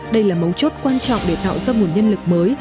đây là mấu chốt quan trọng để tạo ra nguồn nhân lực mới